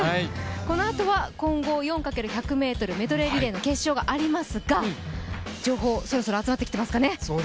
このあとは混合４×４００ｍのメドレーリレーの決勝がありますがそろそろ情報集まってきていますかね。